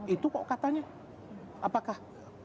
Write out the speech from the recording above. itu kok katanya apakah